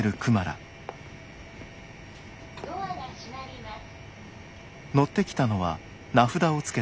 「ドアが閉まります」。